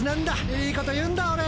良いこと言うんだ俺。